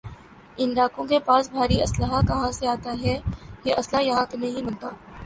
ان ڈاکوؤں کے پاس بھاری اسلحہ کہاں سے آتا ہے یہ اسلحہ یہاں تو نہیں بنتا